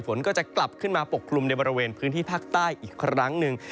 ฝนก็จะกลับขึ้นมาปกคลุมในบริเวณพื้นที่ภาคใต้อีกครั้งหนึ่ง